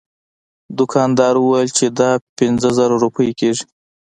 دوکاندار وویل چې دا پنځه زره روپۍ کیږي.